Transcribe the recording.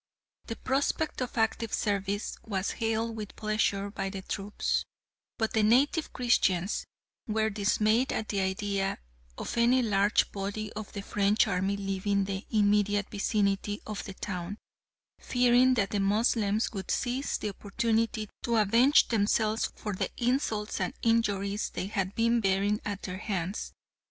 The prospect of active service was hailed with pleasure by the troops, but the native Christians were dismayed at the idea of any large body of the French army leaving the immediate vicinity of the town, fearing that the Moslems would seize the opportunity to avenge themselves for the insults and injuries they had been bearing at their hands.